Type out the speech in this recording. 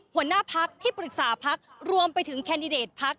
หัวหน้าพักที่ปรึกษาพักรวมไปถึงแคนดิเดตพัก